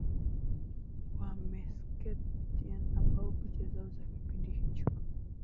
wa Meskhetian ambao picha zao za kipindi hicho